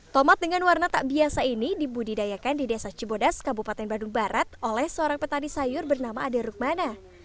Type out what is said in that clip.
tomat dengan warna tak biasa ini dibudidayakan di desa cibodas kabupaten bandung barat oleh seorang petani sayur bernama ade rukmana